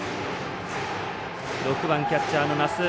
６番キャッチャーの奈須。